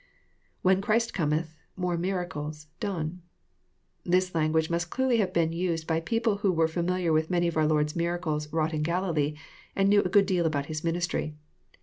[When Christ cometh ... more miracles.,. done.] This language must clearly have been used by people who were familiar with many of our Lord's miracles wrought in Galilee, and knew a good deal about His ministry.